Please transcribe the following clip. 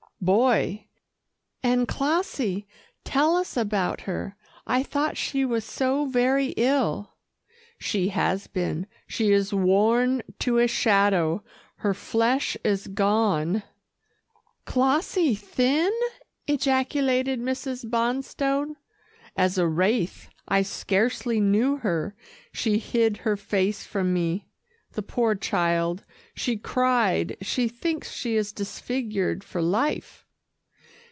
"Boy." "And Clossie tell us about her. I thought she was so very ill." "She has been. She is worn to a shadow. Her flesh is gone " "Clossie thin!" ejaculated Mrs. Bonstone. "As a wraith. I scarcely knew her. She hid her face from me, the poor child. She cried she thinks she is disfigured for life.